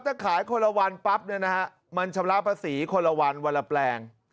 ถ้าขายคนละวันปั๊บเนี่ยนะฮะมันชำระภาษีคนละวันวันละแปลง